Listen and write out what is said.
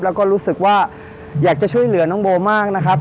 แล้วก็รู้สึกว่าอยากจะช่วยเหลือน้องโบมากนะครับ